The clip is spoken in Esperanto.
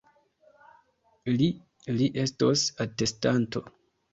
Li, li estos atestanto!